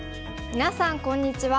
みなさんこんにちは。